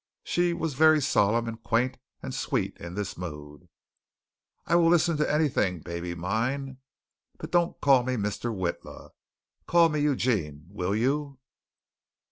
She was very solemn and quaint and sweet in this mood. "I will listen to anything, baby mine, but don't call me Mr. Witla. Call me Eugene, will you?"